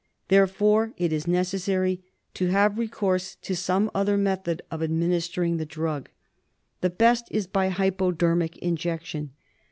Therefore it is necessary to have recourse to some other method of administering the drug. The best is by hypodermic injection.